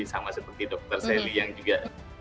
sama seperti dr sally yang juga